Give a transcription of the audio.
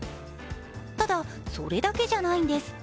ただ、それだけじゃないんです。